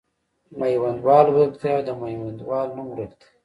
میوندوال ورک دی او د میوندوال نوم ورک دی.